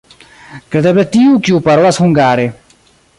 Kredeble tiu, kiu parolas hungare.